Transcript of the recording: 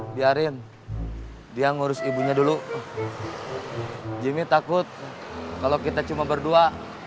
biarin dia ngurus ibunya dulu jimmy takut kalau kita cuma berdua